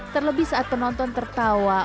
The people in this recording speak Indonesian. terlebih saat penonton tertawa